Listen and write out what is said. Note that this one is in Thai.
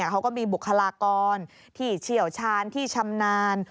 เขาก็มีบุคลากรที่เชี่ยวชาญที่ชำนาญ